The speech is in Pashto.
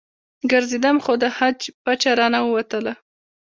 ګرځېدم خو د حج پچه رانه ووتله.